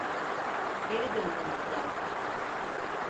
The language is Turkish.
Geri dönmemiz lazım.